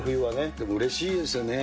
でもうれしいですよね。